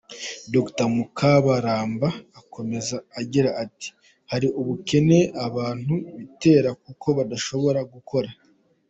Dr Mukabaramba akomeza agira ati ”Hari ubukene abantu bitera kuko badashobora gukora.